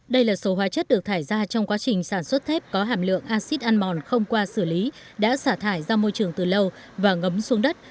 đây là số hóa chất được thải ra trong quá trình sản xuất thép có hàm lượng acid anmon không qua xử lý đã xả thải ra môi trường từ lâu và ngấm xuống đất